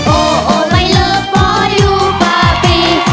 โอ้โอ้ไม่เลิกเพราะอยู่ป่าดี